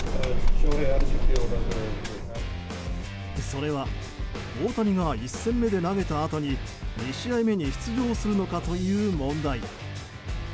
それは大谷が１戦目で投げたあとに２試合目に出場するのかという問題。